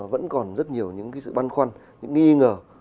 vẫn còn rất nhiều những cái sự băn khoăn những nghi ngờ